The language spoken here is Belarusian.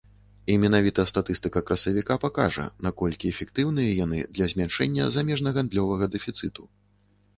І менавіта статыстыка красавіка пакажа, наколькі эфектыўныя яны для змяншэння замежнагандлёвага дэфіцыту.